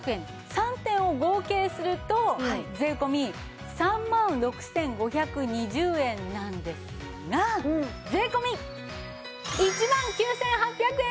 ３点を合計すると税込３万６５２０円なんですが税込１万９８００円です！